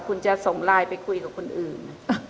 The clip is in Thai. คุณจะส่งไลน์ไปคุยกับคนอื่น